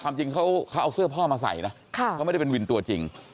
จริงเขาเอาเสื้อพ่อมาใส่นะเขาไม่ได้เป็นวินตัวจริง